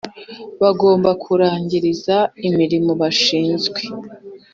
Bagomba kurangiriza imirimo bashinzwe